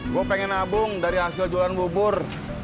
gue pengen nabung dari hasil jualan bubur